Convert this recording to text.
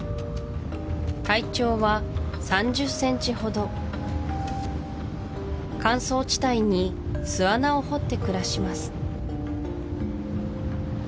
体長は３０センチほど乾燥地帯に巣穴を掘って暮らします